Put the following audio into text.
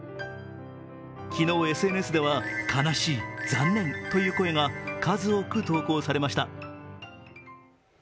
昨日ＳＮＳでは悲しい、残念という声が数多く投稿されました。